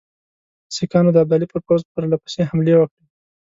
سیکهانو د ابدالي پر پوځ پرله پسې حملې وکړې.